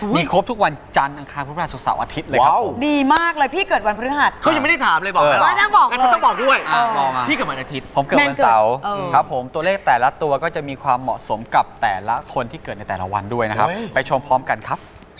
มีครบทุกวันจันทร์อันคารพฤษพราสุทธิ์เสาร์อาทิตย์เลยค่ะ